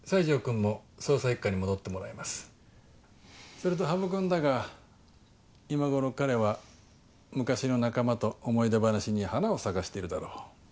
それと羽生君だが今頃彼は昔の仲間と思い出話に花を咲かしているだろう。